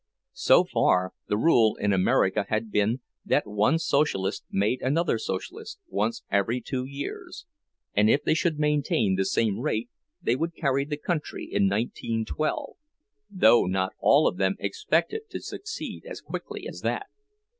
So far, the rule in America had been that one Socialist made another Socialist once every two years; and if they should maintain the same rate they would carry the country in 1912—though not all of them expected to succeed as quickly as that.